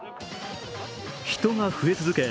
人が増え続け